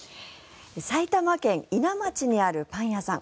埼玉県伊奈町にあるパン屋さん